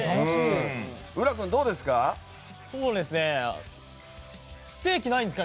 浦君、どうですか？